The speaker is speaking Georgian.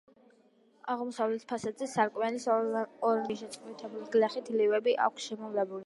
აღმოსავლეთ ფასადზე სარკმლის ორნამენტირებულ საპირეს შეწყვილებული გრეხილით ლილვები აქვს შემოვლებული.